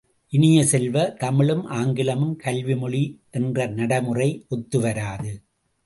இனிய செல்வ, தமிழும் ஆங்கிலமும் கல்வி மொழி என்ற நடைமுறை ஒத்துவராது.